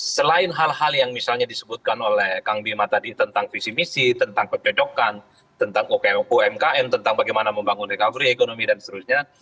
selain hal hal yang misalnya disebutkan oleh kang bima tadi tentang visi misi tentang kepedokan tentang umkm tentang bagaimana membangun recovery ekonomi dan seterusnya